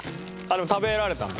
でも食べられたんだ。